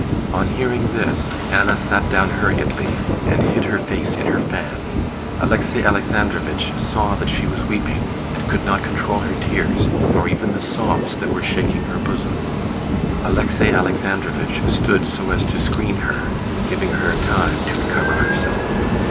On hearing this Anna sat down hurriedly, and hid her face in her fan. Alexey Alexandrovitch saw that she was weeping, and could not control her tears, nor even the sobs that were shaking her bosom. Alexey Alexandrovitch stood so as to screen her, giving her time to recover herself.